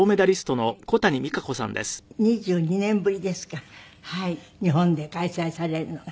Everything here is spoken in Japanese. ２２年ぶりですか日本で開催されるのが。